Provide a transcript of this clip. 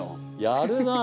やるな。